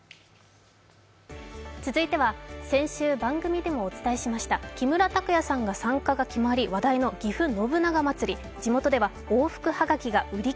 続いては、先週番組でもお伝えしました、木村拓哉さんが参加が決まり話題のぎふ信長まつり。